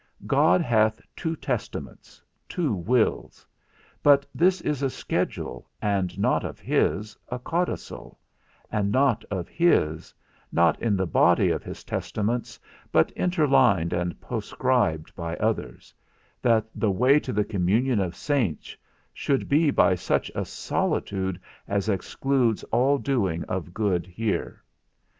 God hath two testaments, two wills; but this is a schedule, and not of his, a codicil, and not of his, not in the body of his testaments, but interlined and postscribed by others, that the way to the communion of saints should be by such a solitude as excludes all doing of good here.